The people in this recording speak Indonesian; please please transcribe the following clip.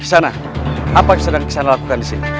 di sana apa yang sedang di sana lakukan di sini